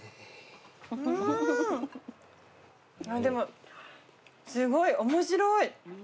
でもすごい面白い！